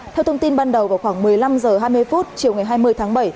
theo thông tin ban đầu vào khoảng một mươi năm h hai mươi chiều ngày hai mươi tháng bảy